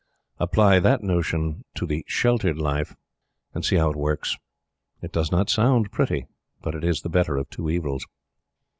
Apply that motion to the "sheltered life," and see how it works. It does not sound pretty, but it is the better of two evils.